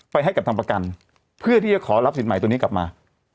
ให้กับทางประกันเพื่อที่จะขอรับสินใหม่ตัวนี้กลับมา